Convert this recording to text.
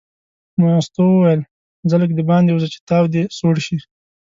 مستو وویل ځه لږ دباندې ووځه چې تاو دې سوړ شي.